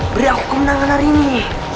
beri aku menangan hari ini